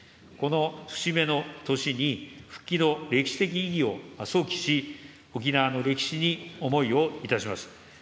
この節目の年に、復帰の歴史的意義を想起し、沖縄の歴史に思いをいたします。